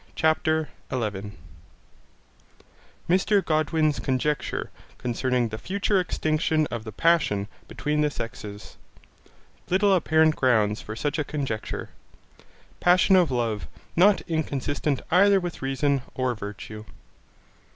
CHAPTER 11 Mr Godwin's conjecture concerning the future extinction of the passion between the sexes Little apparent grounds for such a conjecture Passion of love not inconsistent either with reason or virtue.